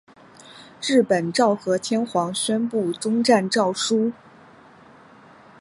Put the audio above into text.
日本昭和天皇宣布终战诏书。